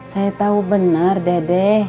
saya tau benar dede